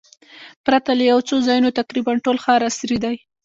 پرته له یو څو ځایونو تقریباً ټول ښار عصري دی.